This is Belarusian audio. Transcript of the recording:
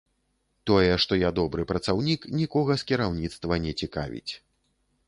Тое, што я добры працаўнік, нікога з кіраўніцтва не цікавіць.